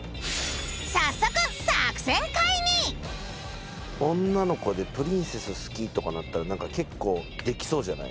早速女の子でプリンセス好きとかなったら何か結構できそうじゃない？